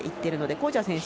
コーチャー選手